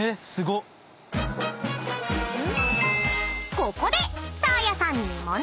［ここでサーヤさんに問題！］